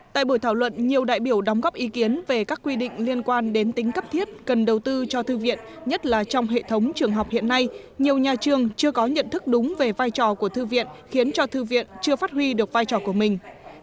tại buổi thảo luận nhiều đại biểu đóng góp ý kiến về các quy định liên quan đến tính cấp thiết cần đầu tư cho thư viện nhất là trong hệ thống trường học hiện nay nhiều nhà trường chưa có nhận thức đúng về vai trò của thư viện khiến cho thư viện chưa phát huy được vai trò của mình